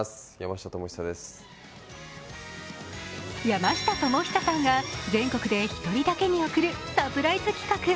山下智久さんが全国で１人だけに贈るサプライズ企画。